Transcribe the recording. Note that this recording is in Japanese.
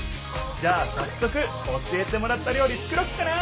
じゃあさっそく教えてもらった料理作ろっかな！